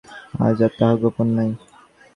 আজ আর তাহা গোপন নাই।